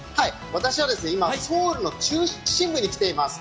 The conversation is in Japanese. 私は今、ソウルの中心部に来ています。